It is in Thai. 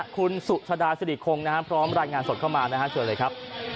คุณสุชดาศิริคงพร้อมรายงานสดเข้ามาส่วนเลยครับ